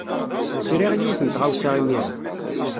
Sriɣ yiwet n tɣawsa imir-a.